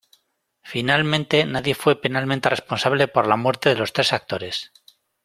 Finalmente, nadie fue penalmente responsable por la muerte de los tres actores.